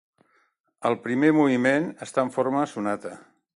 El primer moviment està en forma sonata.